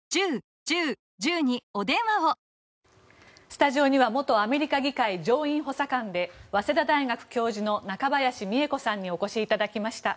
スタジオには元アメリカ議会上院補佐官で早稲田大学教授の中林美恵子さんにお越しいただきました。